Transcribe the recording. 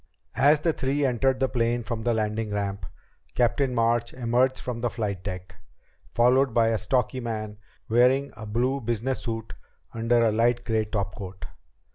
As the three entered the plane from the landing ramp, Captain March emerged from the flight deck, followed by a stocky man wearing a blue business suit under a light gray topcoat.